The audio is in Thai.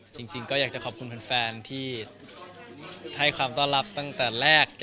จริงก็อยากจะขอบคุณแฟนที่ให้ความต้อนรับตั้งแต่แรก